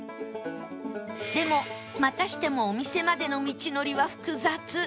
でもまたしてもお店までの道のりは複雑